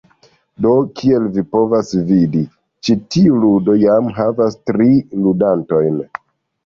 Do, kiel vi povas vidi, ĉi tiu ludo jam havas tri ludantojn.